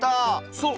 そう。